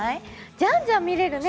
じゃんじゃん見れるね。